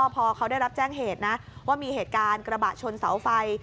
พอเขาได้รับแจ้งเหตุนะว่ามีเหตุการณ์กระบะชนเสาไฟ